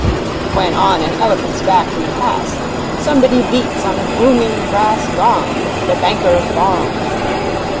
When on an elephant's back you pass, somebody beats on a booming brass gong! The Banker of Bhong!